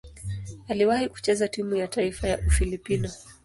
Aliwahi kucheza timu ya taifa ya Ufilipino.